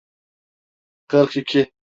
Kırk iki.